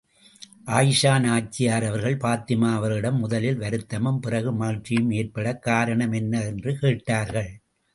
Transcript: ஆயிஷா நாச்சியார் அவர்கள், பாத்திமா அவர்களிடம் முதலில் வருத்தமும், பிறகு மகிழ்ச்சியும் ஏற்படக் காரணம் என்ன? என்று கேட்டார்கள்.